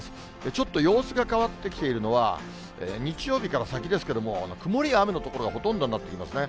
ちょっと様子が変わってきているのは、日曜日から先ですけれども、曇りや雨の所がほとんどになってきますね。